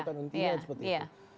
bukan intinya seperti itu